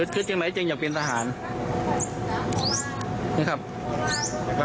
คุณผู้ชมฟังเสียงผู้ต้องหากันหน่อยนะคะ